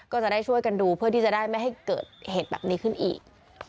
ก็จะได้ช่วยกันดูเพื่อที่จะได้ไม่ให้เกิดเหตุแบบนี้ขึ้นอีก